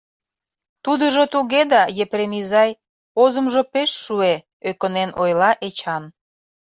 — Тудыжо туге да, Епрем изай, озымжо пеш шуэ, — ӧкынен ойла Эчан.